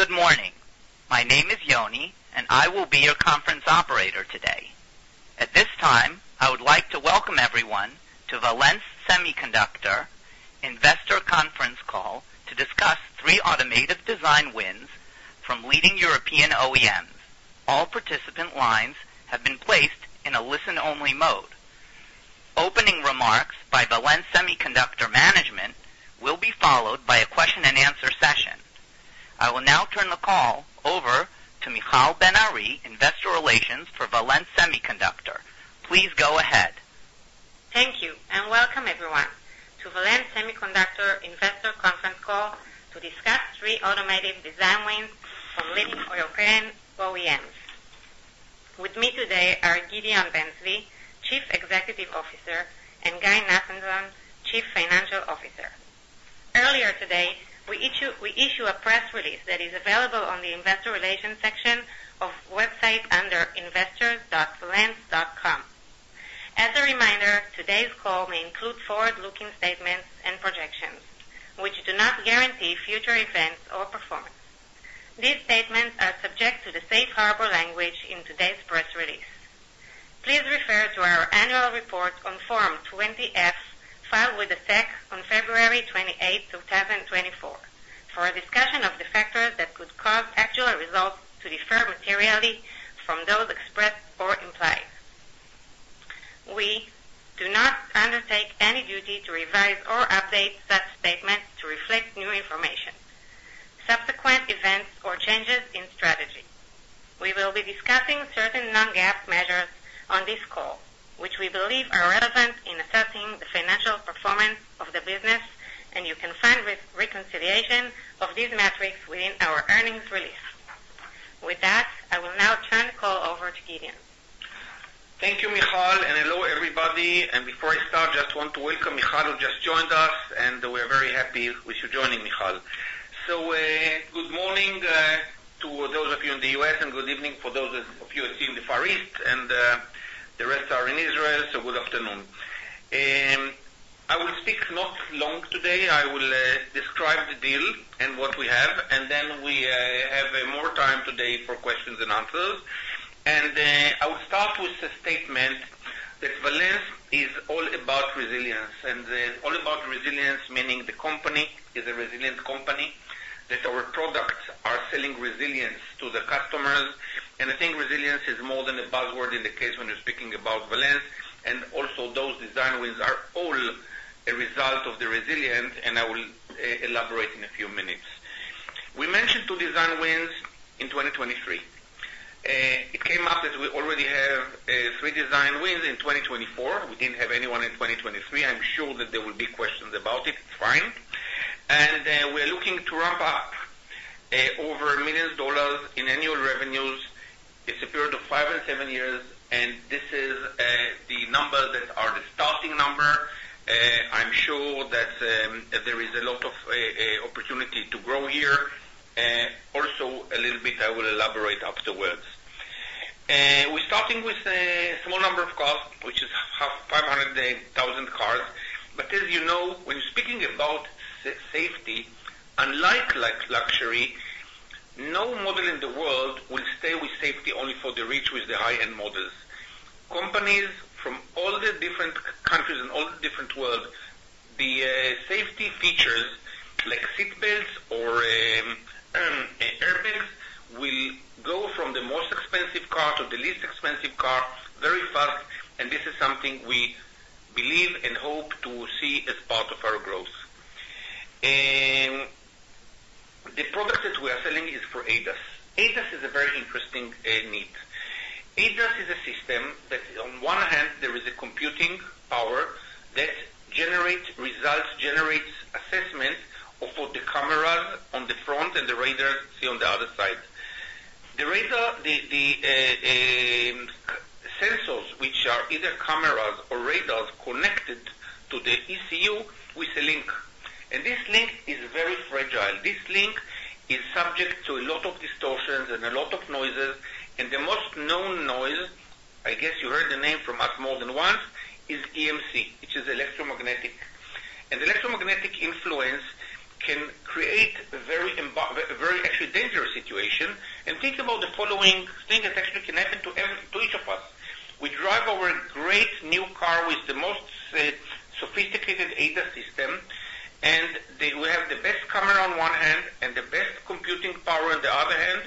Good morning. My name is Yoni, and I will be your conference operator today. At this time, I would like to welcome everyone to Valens Semiconductor Investor Conference Call to discuss three automotive design wins from leading European OEMs. All participant lines have been placed in a listen-only mode. Opening remarks by Valens Semiconductor management will be followed by a question-and-answer session. I will now turn the call over to Michal Ben Ari, Investor Relations for Valens Semiconductor. Please go ahead. Thank you, and welcome, everyone, to Valens Semiconductor Investor Conference Call to discuss three automotive design wins from leading European OEMs. With me today are Gideon Ben-Zvi, Chief Executive Officer, and Guy Nathanzon, Chief Financial Officer. Earlier today, we issued a press release that is available on the Investor Relations section of our website under investors.valens.com. As a reminder, today's call may include forward-looking statements and projections, which do not guarantee future events or performance. These statements are subject to the safe harbor language in today's press release. Please refer to our annual report on Form 20-F, filed with the SEC on February 28, 2024, for a discussion of the factors that could cause actual results to differ materially from those expressed or implied. We do not undertake any duty to revise or update such statements to reflect new information, subsequent events or changes in strategy. We will be discussing certain Non-GAAP measures on this call, which we believe are relevant in assessing the financial performance of the business, and you can find reconciliation of these metrics within our earnings release. With that, I will now turn the call over to Gideon. Thank you, Michal, and hello, everybody. And before I start, I just want to welcome Michal, who just joined us, and we are very happy with you joining, Michal. So, good morning to those of you in the U.S., and good evening for those of you in the Far East, and the rest are in Israel, so good afternoon. I will speak not long today. I will describe the deal and what we have, and then we have more time today for questions and answers. And I will start with the statement that Valens is all about resilience, and all about resilience, meaning the company is a resilient company, that our products are selling resilience to the customers. And I think resilience is more than a buzzword in the case when you're speaking about Valens, and also those design wins are all a result of the resilience, and I will elaborate in a few minutes. We mentioned two design wins in 2023. It came up that we already have three design wins in 2024. We didn't have anyone in 2023. I'm sure that there will be questions about it. It's fine. And we're looking to ramp up over $1 million in annual revenues. It's a period of five and seven years, and this is the numbers that are the starting number. I'm sure that there is a lot of opportunity to grow here. Also, a little bit, I will elaborate afterwards. We're starting with a small number of cars, which is 500,000 cars. But as you know, when speaking about safety, unlike luxury, no model in the world will stay with safety only for the rich, with the high-end models. Companies from all the different countries and all the different worlds, the safety features like seat belts or airbags will go from the most expensive car to the least expensive car very fast, and this is something we believe and hope to see as part of our growth. The product that we are selling is for ADAS. ADAS is a very interesting need. ADAS is a system that on one hand, there is a computing power that generates results, generates assessments of the cameras on the front and the radar, see on the other side. The radar, sensors, which are either cameras or radars connected to the ECU with a link, and this link is very fragile. This link is subject to a lot of distortions and a lot of noises, and the most known noise, I guess you heard the name from us more than once, is EMC, which is electromagnetic. And electromagnetic influence can create a very actually dangerous situation. And think about the following thing that actually can happen to each of us. We drive our great new car with the most sophisticated ADAS system, and we have the best camera on one hand and the best computing power on the other hand,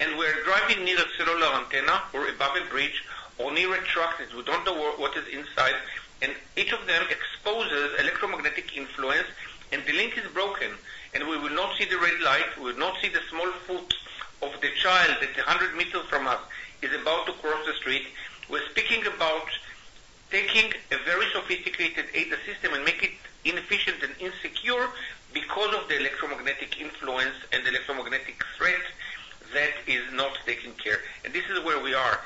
and we're driving near a cellular antenna or above a bridge or near a truck, and we don't know what is inside, and each of them exposes electromagnetic influence, and the link is broken, and we will not see the red light, we will not see the small foot of the child that's 100 meters from us is about to cross the street. We're speaking about taking a very sophisticated ADAS system and make it inefficient and insecure because of the electromagnetic influence and electromagnetic threat that is not taken care, and this is where we are.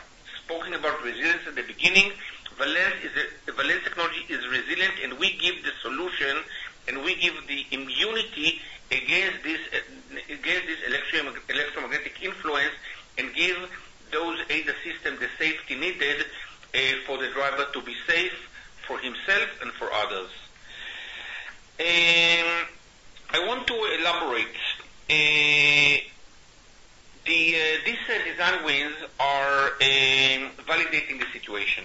Spoken about resilience at the beginning. Valens is a... Valens technology is resilient, and we give the solution, and we give the immunity against this electromagnetic influence and give those ADAS system the safety needed for the driver to be safe for himself and for others. I want to elaborate. These design wins are validating the situation.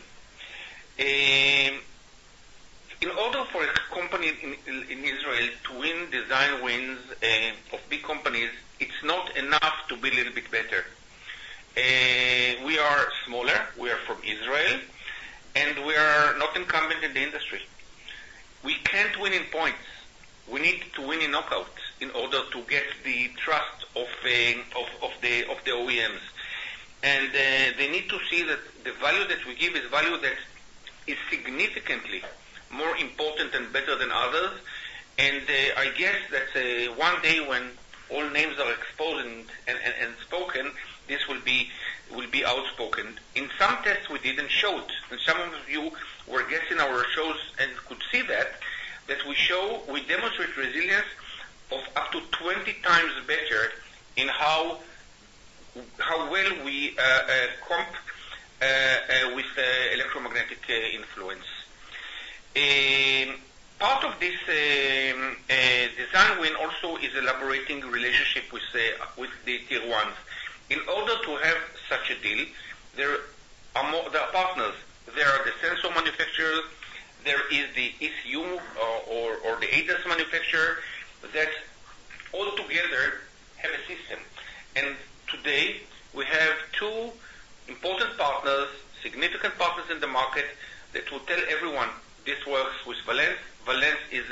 In order for a company in Israel to win design wins of big companies, it's not enough to be a little bit better. We are smaller, we are from Israel, and we are not incumbent in the industry. We can't win in points. We need to win in knockouts in order to get the trust of the OEMs, and they need to see that the value that we give is value that is significantly more important and better than others. I guess that one day when all names are exposed and spoken, this will be outspoken. In some tests, we even showed, and some of you were guests in our shows and could see that we demonstrate resilience of up to 20 times better in how well we compete with electromagnetic influence. Part of this design win also is elaborating relationship with the Tier 1s. In order to have such a deal, there are more, there are partners, there are the sensor manufacturers, there is the ECU or the ADAS manufacturer, that all together have a system. And today we have two important partners, significant partners in the market, that will tell everyone this works with Valens. Valens is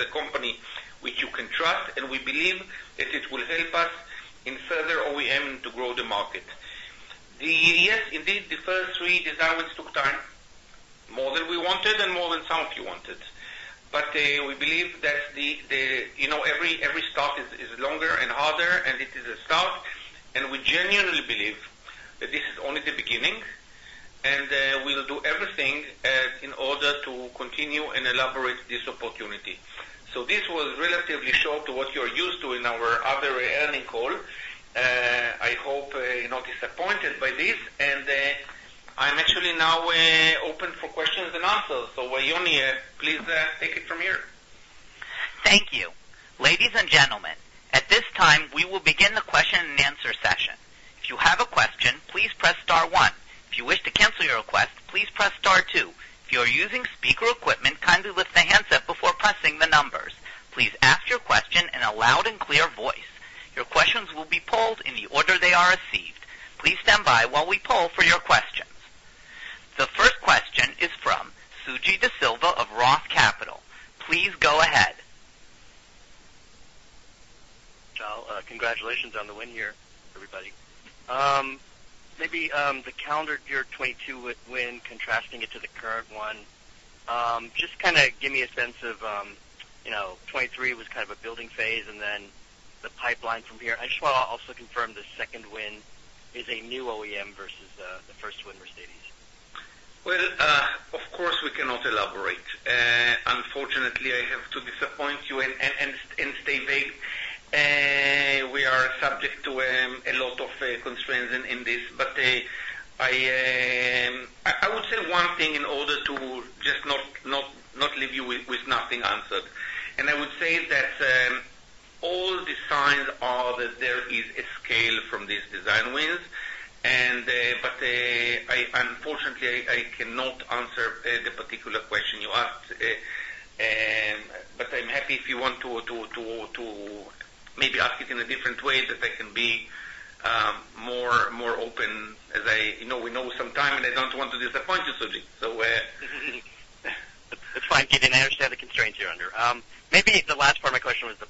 a company which you can trust, and we believe that it will help us in further OEM to grow the market. Yes, indeed, the first three design wins took time, more than we wanted and more than some of you wanted. But we believe that you know, every start is longer and harder, and it is a start, and we genuinely believe that this is only the beginning, and we will do everything in order to continue and elaborate this opportunity. So this was relatively short to what you're used to in our other earnings call. I hope you're not disappointed by this, and I'm actually now open for questions and answers. So Yoni, please, take it from here. Thank you. Ladies and gentlemen, at this time, we will begin the question-and-answer session. If you have a question, please press star one. If you wish to cancel your request, please press star two. If you are using speaker equipment, kindly lift the handset before pressing the numbers. Please ask your question in a loud and clear voice. Your questions will be polled in the order they are received. Please stand by while we poll for your questions. The first question is from Suji Desilva of Roth Capital. Please go ahead. Congratulations on the win here, everybody. Maybe the calendar year 2022 win contrasting it to the current one, just kinda give me a sense of, you know, 2023 was kind of a building phase, and then the pipeline from here. I just wanna also confirm the second win is a new OEM versus the first win, Mercedes. Well, of course, we cannot elaborate. Unfortunately, I have to disappoint you and stay vague. We are subject to a lot of constraints in this, but I would say one thing in order to just not leave you with nothing answered. And I would say that all the signs are that there is a scale from these design wins, and but unfortunately I cannot answer the particular question you asked. But I'm happy if you want to maybe ask it in a different way, that I can be more open as I... You know, we know some time, and I don't want to disappoint you, Suji. So, That's fine, Gideon. I understand the constraints you're under. Maybe the last part of my question was the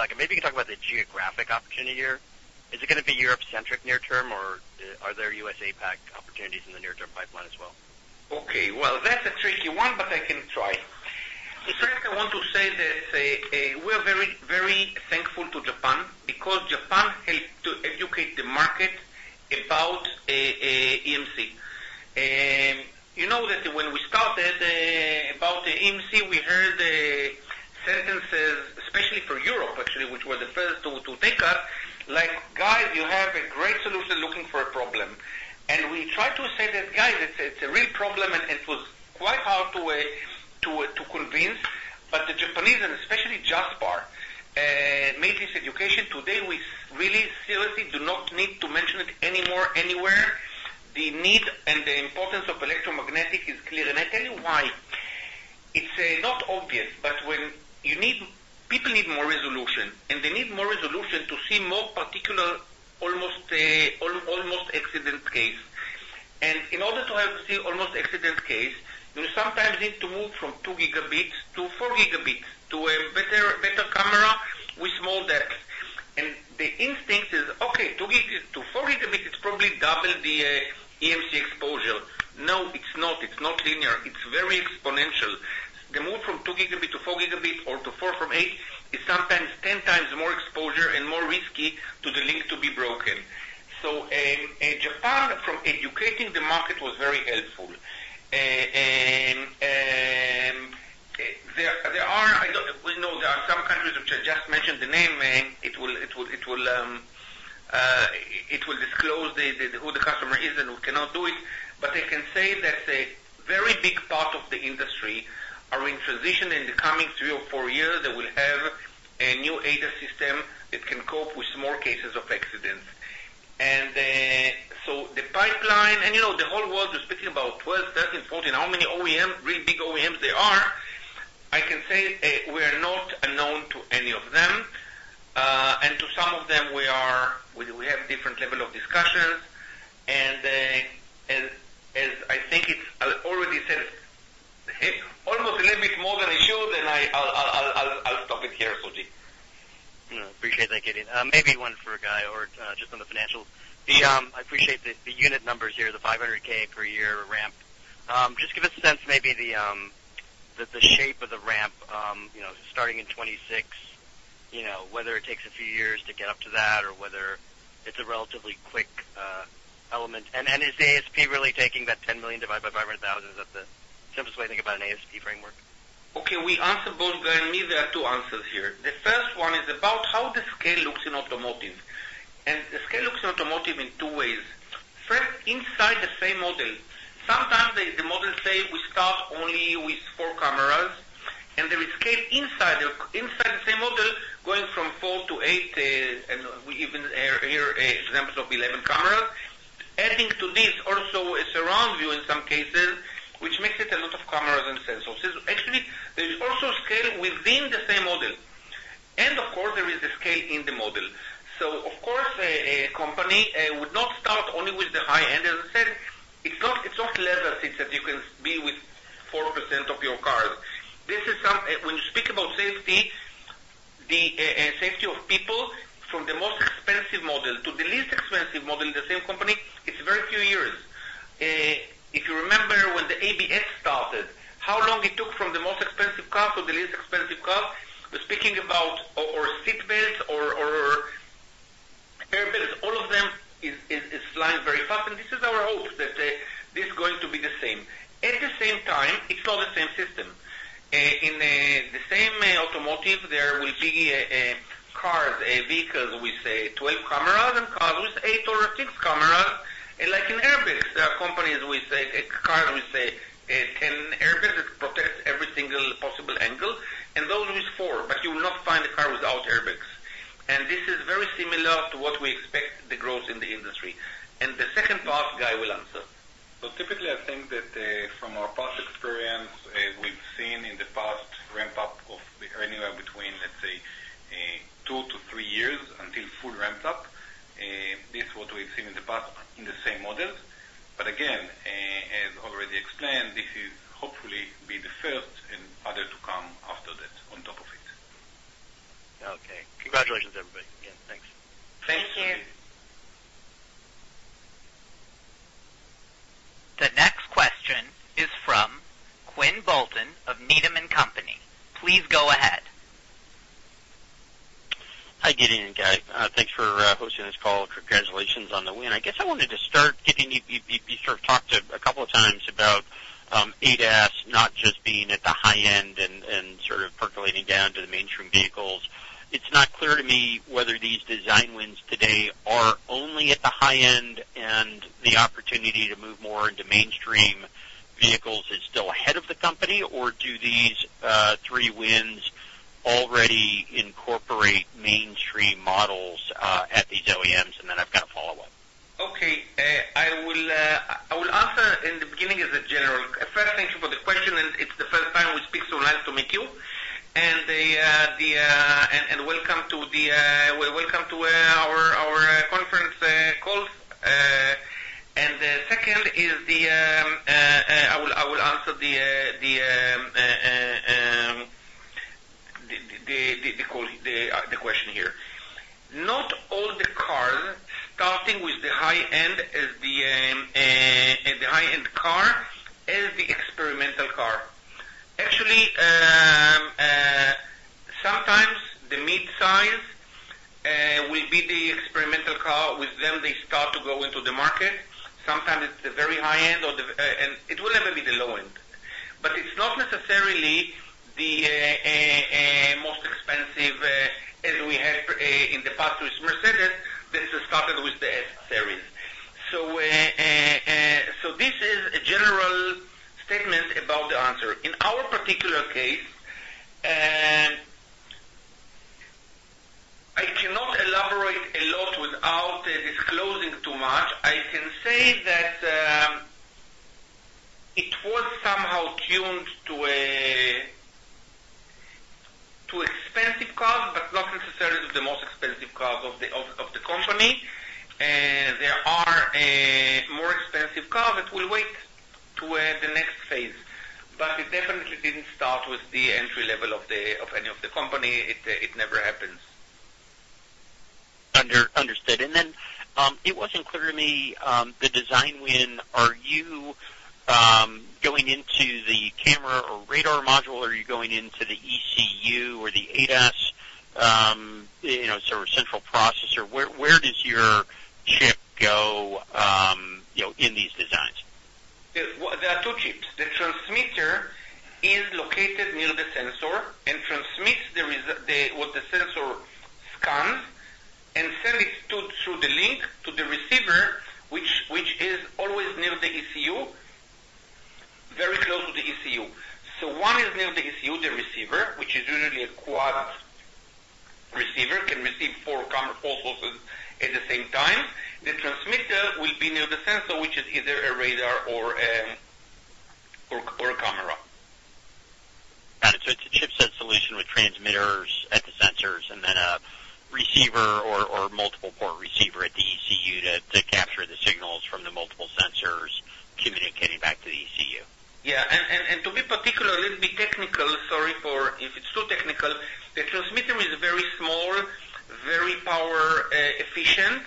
pipeline from here forward, obviously, you know, you're recovering with the second win here. Just, you know, what does the pipeline look like? And maybe you can talk about the geographic opportunity here. Is it gonna be Europe-centric near term, or are there US APAC opportunities in the near-term pipeline as well? Okay, well, that's a tricky one, but I can try. In fact, I want to say that we are very, very thankful to Japan, because Japan helped to educate the market about EMC. You know that when we started about the EMC, we heard sentences, especially for Europe, actually, which were the first to take us, like: Guys, you have a great solution looking for a problem. And we tried to say that, "Guys, it's a real problem," and it was quite hard to convince. But the Japanese, and especially JASPAR, made this education. Today, we really seriously do not need to mention it anymore, anywhere. The need and the importance of electromagnetic is clear, and I tell you why. It's not obvious, but when you need... People need more resolution, and they need more resolution to see more particular, almost, almost accident case. And in order to have the almost accident case, you sometimes need to move from two gigabits to four gigabits, to a better, better camera with small depth. And the instinct is: Okay, two gig to four gigabit, it's probably double the, EMC exposure. No, it's not. It's not linear. It's very exponential. The move from two gigabit to four gigabit or to four from eight, is sometimes ten times more exposure and more risky to the link to be broken. So, Japan, from educating the market, was very helpful. It will disclose the, the who the customer is, and we cannot do it. But I can say that a very big part of the industry are in transition. In the coming three or four years, they will have a new ADAS system that can cope with more cases of accidents. And, so the pipeline, and, you know, the whole world is speaking about 12, 13, 14, how many OEM, really big OEMs there are? I can say, we are not unknown to any of them, and to some of them, we have different level of discussions. And, as I think it's, I already said, almost a little bit more than I should, and I, I'll stop it here, Suji. No, appreciate that, Gideon. Maybe one for Guy, or just on the financials. I appreciate the unit numbers here, the 500,000 per year ramp. Just give us a sense maybe the shape of the ramp, you know, starting in 2026, you know, whether it takes a few years to get up to that or whether it's a relatively quick element. Is the ASP really taking that $10 million divided by 500,000? Is that the simplest way to think about an ASP framework? Okay, we answer both. Guy and me, there are two answers here. The first one is about how the scale looks in automotive, and the scale looks in automotive in two ways. First, inside the same model. Sometimes the model say we start only with four cameras, and there is scale inside the same model, going from four to eight, and we even hear examples of 11 cameras. Adding to this also a surround view in some cases, which makes it a lot of cameras and sensors. Actually, there is also scale within the same model, and of course, there is a scale in the model. So of course, a company would not start only with the high-end. As I said, it's not level six, that you can be with 4% of your cars. When you speak about safety, the safety of people from the most expensive model to the least expensive model in the same company, it's very few years. If you remember when the ABS started, how long it took from the most expensive car to the least expensive car? We're speaking about seat belts or airbags. All of them is flying very fast, and this is our hope that this is going to be the same. At the same time, it's not the same system. In the same automotive, there will be a car, vehicles with, say, 12 cameras, and cars with eight or six cameras. Like in airbags, there are companies with, say, a car with, say, 10 airbags that protect every single possible angle, and those with four. But you will not find a car without airbags. And this is very similar to what we expect the growth in the industry. And the second part, Guy will answer. So typically, I think that from our past experience we've seen in the past ramp up of anywhere between, let's say, two to three years until full ramped up. This is what we've seen in the past in the same models. But again, as already explained, this is hopefully be the first and other to come after that, on top of it. Okay. Congratulations, everybody. Again, thanks. Thank you. Thank you. The next question is from Quinn Bolton of Needham & Company. Please go ahead. Hi, Gideon and Guy. Thanks for hosting this call. Congratulations on the win. I guess I wanted to start, Gideon. You sort of talked a couple of times about ADAS not just being at the high end and sort of percolating down to the mainstream vehicles. It's not clear to me whether these design wins today are only at the high end, and the opportunity to move more into mainstream vehicles is still ahead of the company, or do these three wins already incorporate mainstream models at these OEMs? And then I've got a follow-up. Okay. I will answer in the beginning as a general... First, thank you for the question, and it's the first time we speak, so nice to meet you, and welcome to the, well, welcome to our conference call. And the second is, I will answer the question here. Not all the cars, starting with the high end, is the high-end car, is the experimental car. Actually, sometimes the mid-size will be the experimental car. With them, they start to go into the market. Sometimes it's the very high end or the... It will never be the low end, but it's not necessarily the most expensive, as we had in the past with Mercedes. This is started with the S Series. So this is a general statement about the answer. In our particular case, I cannot elaborate a lot without disclosing too much. I can say that it was somehow tuned to expensive cars, but not necessarily the most expensive cars of the company. There are more expensive cars that will wait to the next phase, but it definitely didn't start with the entry level of any of the company. It never happens. Understood. And then, it wasn't clear to me, the design win. Are you going into the camera or radar module, or are you going into the ECU or the ADAS, you know, sort of central processor? Where does your chip go, you know, in these designs?... There are two chips. The transmitter is located near the sensor and transmits the, what the sensor scans and send it to through the link to the receiver, which is always near the ECU, very close to the ECU. So one is near the ECU, the receiver, which is usually a quad receiver, can receive four cameras, four sources at the same time. The transmitter will be near the sensor, which is either a radar or a camera. Got it. So it's a chipset solution with transmitters at the sensors and then a receiver or multiple port receiver at the ECU to capture the signals from the multiple sensors communicating back to the ECU? Yeah, and to be particular, let's be technical. Sorry for if it's too technical. The transmitter is very small, very power efficient,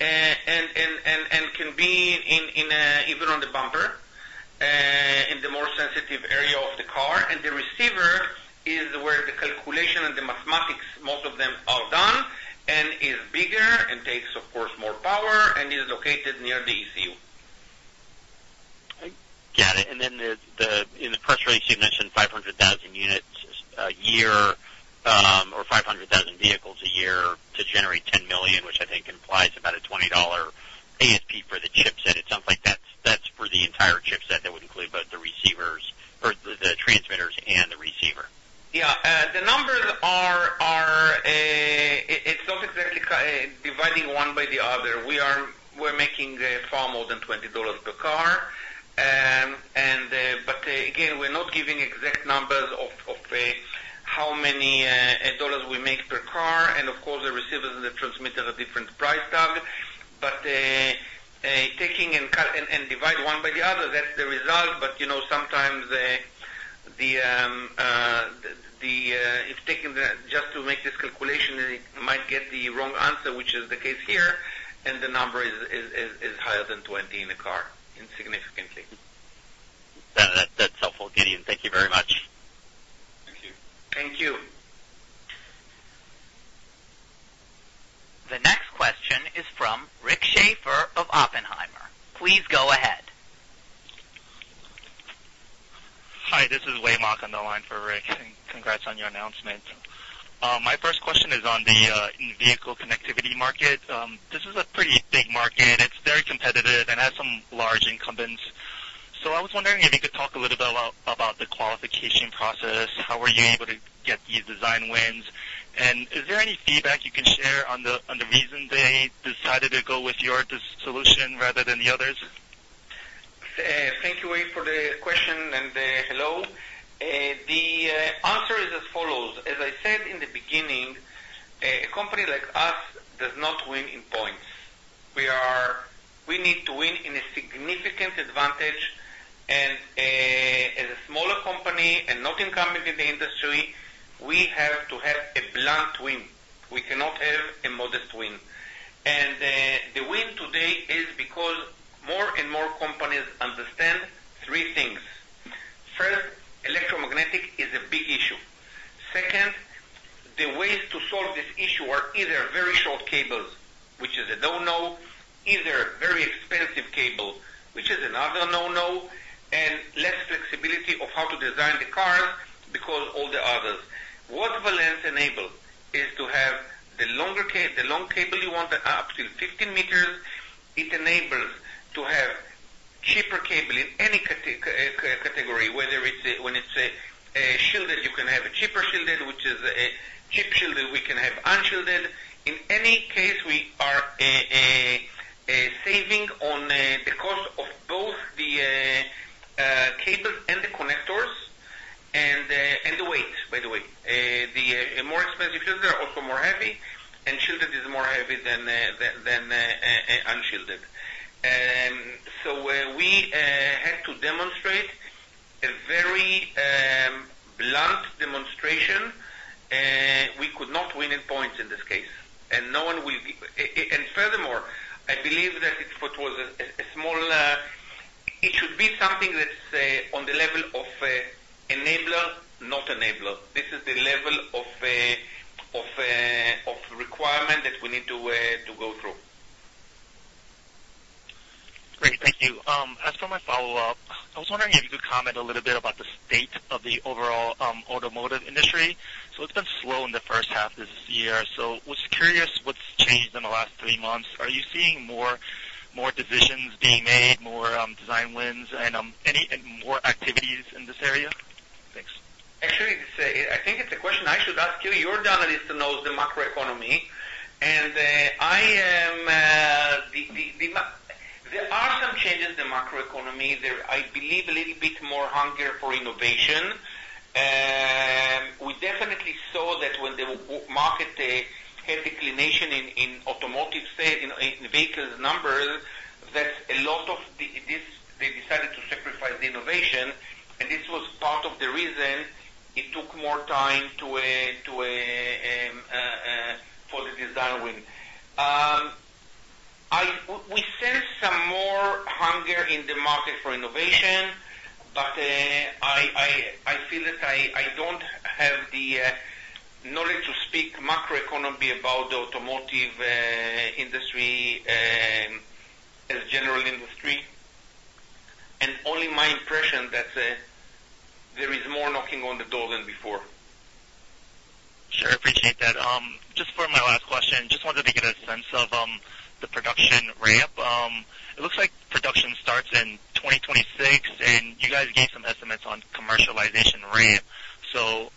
and can be in a, even on the bumper, in the more sensitive area of the car, and the receiver is where the calculation and the mathematics, most of them are done and is bigger and takes, of course, more power, and is located near the ECU. I got it. And then in the press release, you mentioned 500,000 units a year or 500,000 vehicles a year to generate $10 million, which I think implies about a $20 ASP for the chipset. It sounds like that's for the entire chipset that would include both the receivers or the transmitters and the receiver. Yeah. The numbers are. It's not exactly kind of dividing one by the other. We're making far more than $20 per car. And but again, we're not giving exact numbers of how many dollars we make per car, and of course, the receivers and the transmitter are different price tag. But taking and dividing one by the other, that's the result, but you know, sometimes if taking the just to make this calculation, it might get the wrong answer, which is the case here, and the number is higher than $20 in a car, insignificantly. That's helpful, Gideon. Thank you very much. Thank you. Thank you. The next question is from Rick Schafer of Oppenheimer. Please go ahead. Hi, this is Wei Mok on the line for Rick, and congrats on your announcement. My first question is on the in-vehicle connectivity market. This is a pretty big market, it's very competitive and has some large incumbents. So I was wondering if you could talk a little bit about the qualification process. How were you able to get these design wins? And is there any feedback you can share on the reason they decided to go with your solution rather than the others? Thank you, Wei, for the question, and hello. The answer is as follows: As I said in the beginning, a company like us does not win in points. We need to win in a significant advantage, and as a smaller company and not incumbent in the industry, we have to have a blunt win. We cannot have a modest win. And the win today is because more and more companies understand three things. First, electromagnetic is a big issue. Second, the ways to solve this issue are either very short cables, which is a don't know, either very expensive cable, which is another no-no, and less flexibility of how to design the cars because all the others. What Valens enable is to have the long cable you want, up to fifteen meters. It enables to have cheaper cable in any category, whether it's a shielded, you can have a cheaper shielded, which is a cheap shielded, we can have unshielded. In any case, we are saving on the cost of both the cable and the connectors, and the weight, by the way. The more expensive shielded are also more heavy, and shielded is more heavy than unshielded. So where we had to demonstrate a very blunt demonstration, we could not win in points in this case, and no one will be... And furthermore, I believe that it was a small, it should be something that's on the level of enabler, not enabler. This is the level of requirement that we need to go through. Great, thank you. As for my follow-up, I was wondering if you could comment a little bit about the state of the overall automotive industry. So it's been slow in the first half of this year, so was curious what's changed in the last three months. Are you seeing more decisions being made, more design wins, and any more activities in this area? Thanks. Actually, to say, I think it's a question I should ask you. You're the analyst who knows the macroeconomy, and I am the. There are some changes in macroeconomy. There I believe a little bit more hunger for innovation. We definitely saw that when the market had decline in automotive sales, in vehicle numbers, that a lot of this they decided to sacrifice the innovation, and this was part of the reason it took more time to for the design win. We sense some more hunger in the market for innovation. But I feel that I don't have the knowledge to speak macro economy about the automotive industry as general industry, and only my impression that there is more knocking on the door than before. Sure, appreciate that. Just for my last question, just wanted to get a sense of the production ramp. It looks like production starts in 2026, and you guys gave some estimates on commercialization ramp. So,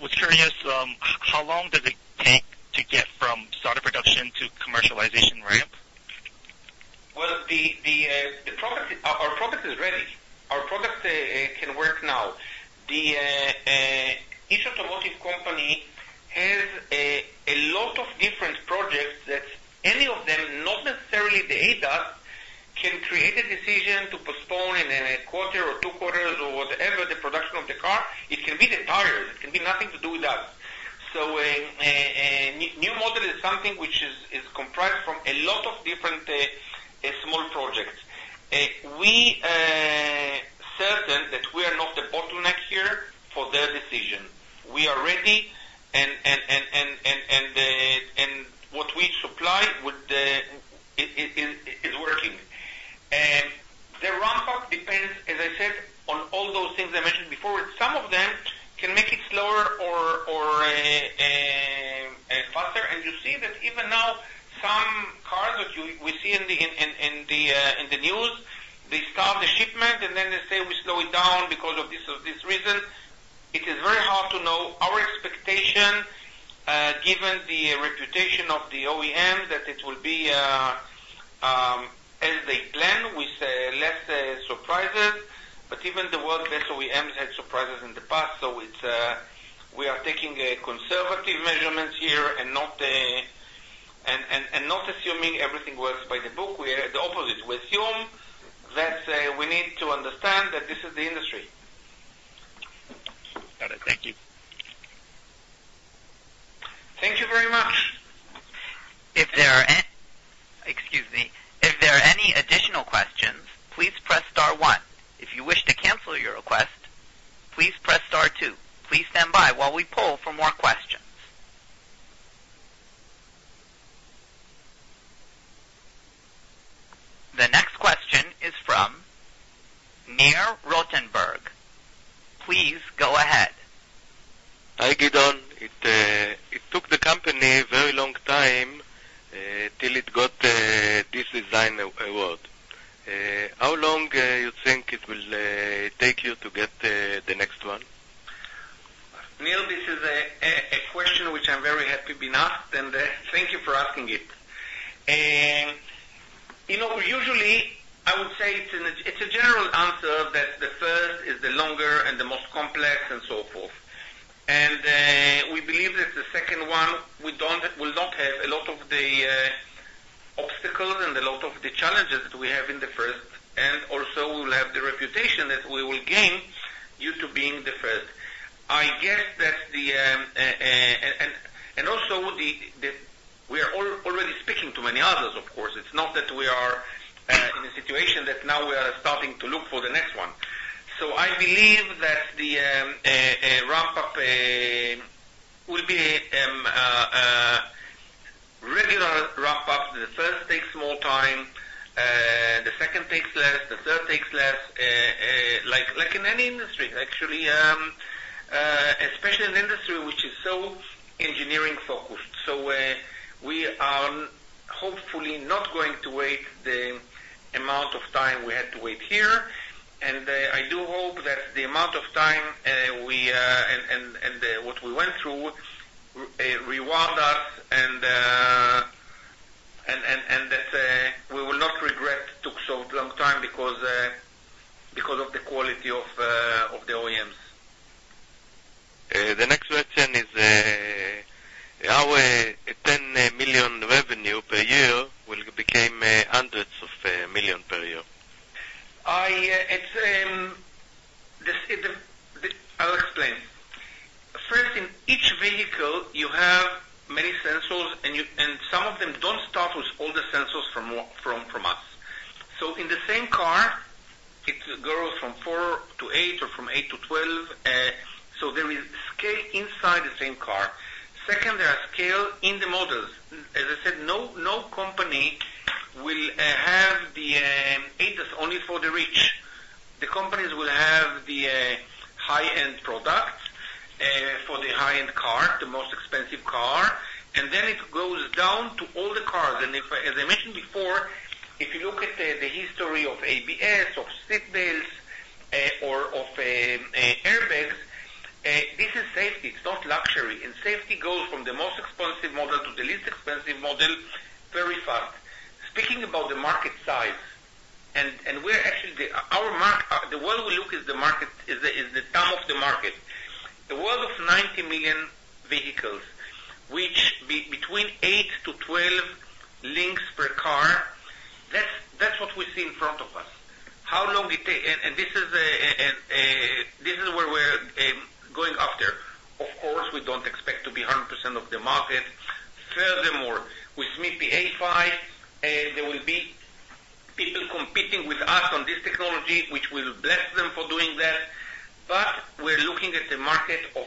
was curious, how long does it take to get from start of production to commercialization ramp? The product, our product is ready. Our product can work now. Each automotive company has a lot of different projects that any of them, not necessarily the ADAS, can create a decision to postpone in a quarter or two quarters or whatever, the production of the car. It can be the tires, it can be nothing to do with us. A new model is something which is comprised from a lot of different small projects. We are certain that we are not the bottleneck here for their decision. We are ready and what we supply with the is working. The ramp up depends, as I said, on all those things I mentioned before. Some of them can make it slower or faster. And you see that even now, some cars that we see in the news, they stop the shipment, and then they say, we slow it down because of this or this reason. It is very hard to know our expectation, given the reputation of the OEM, that it will be as they plan, with less surprises, but even the world best OEMs had surprises in the past. So it's we are taking a conservative measurements here and not assuming everything works by the book. We are the opposite. We assume that we need to understand that this is the industry. Got it. Thank you. Thank you very much. If there are, excuse me. If there are any additional questions, please press star one. If you wish to cancel your request, please press star two. Please stand by while we poll for more questions. The next question is from Nir Rotenberg. Please go ahead. Hi, Gideon. It took the company a very long time till it got this design award. How long you think it will take you to get the next one? Nir, this is a question which I'm very happy been asked, and thank you for asking it. And, you know, usually I would say it's a general answer, that the first is the longer and the most complex, and so forth. And, we believe that the second one, we don't... will not have a lot of the obstacles and a lot of the challenges that we have in the first, and also we'll have the reputation that we will gain due to being the first. I guess that's the, and also the, the, we are already speaking to many others of course, it's not that we are in a situation that now we are starting to look for the next one. So I believe that a ramp up will be regular ramp up. The first takes more time, the second takes less, the third takes less. Like in any industry actually, especially an industry which is so engineering focused. So we are hopefully not going to wait the amount of time we had to wait here. And I do hope that the amount of time we and what we went through reward us, and that we will not regret took so long time because of the quality of Of course, we don't expect to be 100% of the market. Furthermore, with MIPI A-PHY, there will be people competing with us on this technology, which will bless them for doing that. But we're looking at the market of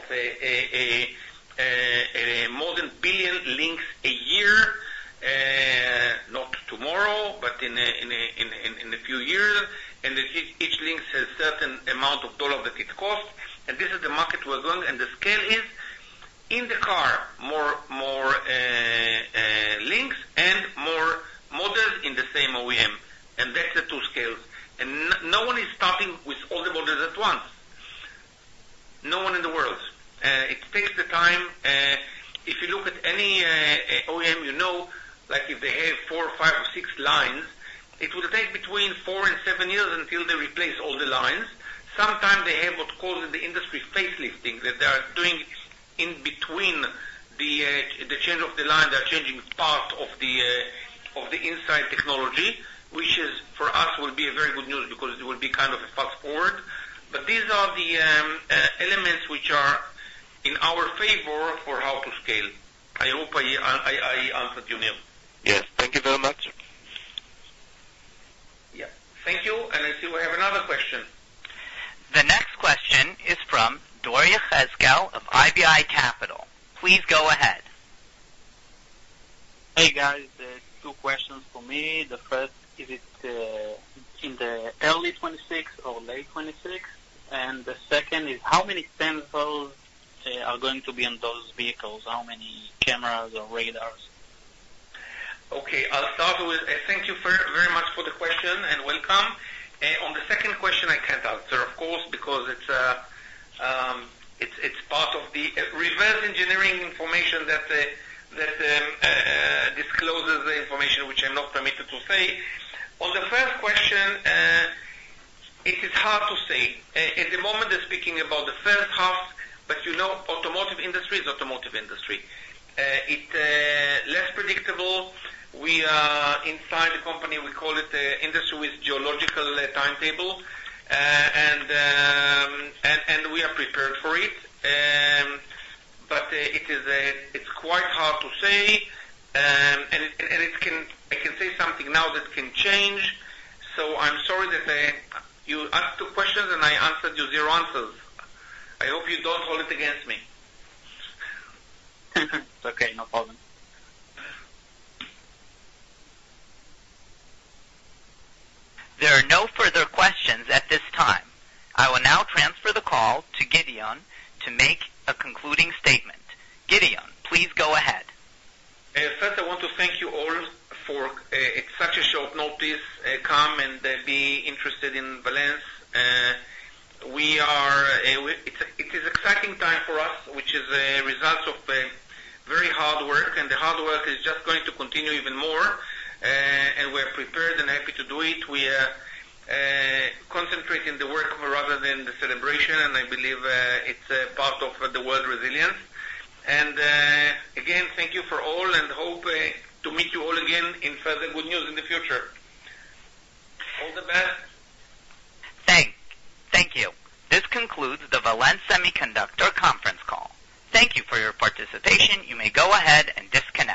more than a billion links a year, not tomorrow, but in a few years. Each link has a certain amount of dollars that it costs, and this is the market we are going, and the scale is in the car, more links and more models in the same OEM, and that's the two scales. No one is starting with all the models at once. No one in the world. It takes the time. If you look at any OEM you know, like, if they have four, five or six lines, it will take between four and seven years until they replace all the lines. Sometimes they have what's called in the industry, facelift, that they are doing in between the change of the line. They are changing part of the inside technology, which is, for us, will be a very good news because it will be kind of a fast forward. But these are the elements which are in our favor for how to scale. I hope I answered you, Nir. Yes. Thank you very much. Yeah. Thank you, and I see we have another question. The next question is from Doriya Chesky of IBI Capital. Please go ahead. Hey, guys. Two questions for me. The first, is it in the early 2026 or late 2026? And the second is, how many sensors are going to be on those vehicles? How many cameras or radars? Okay, I'll start with... Thank you very much for the question, and welcome. On the second question, I can't answer, of course, because it's part of the reverse engineering information that discloses the information, which I'm not permitted to say. On the first question, it is hard to say. At the moment, they're speaking about the first half, but you know, automotive industry is automotive industry. It less predictable. We are inside the company, we call it industry with geological timetable. And we are prepared for it. But it is quite hard to say, and it can-- I can say something now that can change. So I'm sorry that you asked two questions and I answered you zero answers. I hope you don't hold it against me. It's okay. No problem. There are no further questions at this time. I will now transfer the call to Gideon to make a concluding statement. Gideon, please go ahead. First, I want to thank you all for at such a short notice come and be interested in Valens. It's an exciting time for us, which is a result of very hard work, and the hard work is just going to continue even more, and we're prepared and happy to do it. We are concentrating the work rather than the celebration, and I believe it's a part of the word resilience, and again, thank you for all, and hope to meet you all again in further good news in the future. All the best. Thank you. This concludes the Valens Semiconductor conference call. Thank you for your participation. You may go ahead and disconnect.